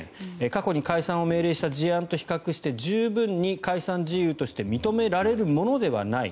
過去に解散を命令した事例と比較して十分に解散事由として認められるものではない。